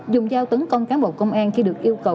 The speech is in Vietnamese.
dùng dao tấn công cán bộ công an khi được yêu cầu